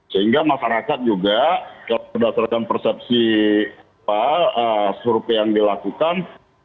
sehingga masyarakat juga berdasarkan persepsi survei yang dilakukan